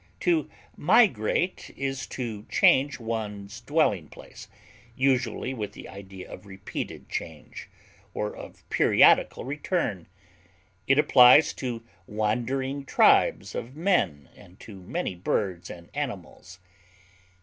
To migrate is to change one's dwelling place, usually with the idea of repeated change, or of periodical return; it applies to wandering tribes of men, and to many birds and animals.